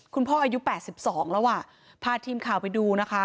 พ่ออายุ๘๒แล้วอ่ะพาทีมข่าวไปดูนะคะ